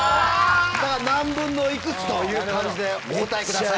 何分のいくつという感じでお答えください。